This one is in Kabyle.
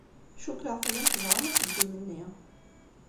Cukkeɣ tellam tebɣam axeddim-nni.